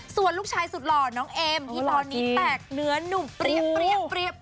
ส่วนลูกชายสุดหล่อน้องเอมที่ตอนนี้แตกเนื้อนุ่มเปรี้ย